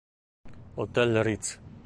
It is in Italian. Hotel Ritz